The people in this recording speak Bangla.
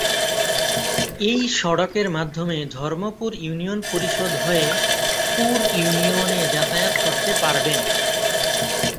এই সড়কের মাধ্যমে ধর্মপুর ইউনিয়ন পরিষদ হয়ে পুর ইউনিয়ন এ যাতায়াত করতে পারবেন।